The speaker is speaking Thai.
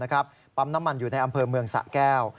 ปั๊มน้ำมันอยู่ในอำเภอเมืองสะแก้ว